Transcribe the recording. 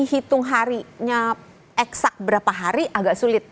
hitung harinya eksak berapa hari agak sulit